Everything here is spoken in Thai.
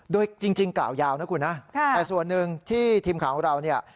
โดยจริงกล่าวยาวนะคุณนะแต่ส่วนหนึ่งที่ทีมข่าวของเราเนี่ย